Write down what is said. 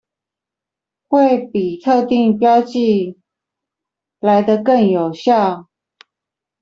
會比特定標記來得更有效